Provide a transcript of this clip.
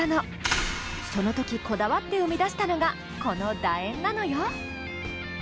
その時こだわって生み出したのがこのだ円なのよ。